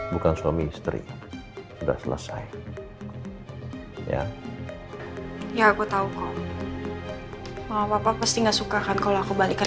bukan suami istri sudah selesai ya ya aku tahu mau apa apa pasti nggak suka kan kalau aku balikkan